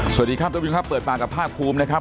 สวัสดีครับตุ๊กวิวครับเปิดปากกับภาคคลุมนะครับ